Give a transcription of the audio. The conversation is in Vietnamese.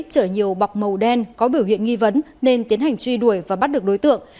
chở nhiều bọc màu đen có biểu hiện nghi vấn nên tiến hành truy đuổi và bắt được đối tượng